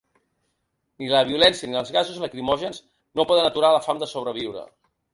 Ni la violència ni els gasos lacrimògens no poden aturar la fam de sobreviure.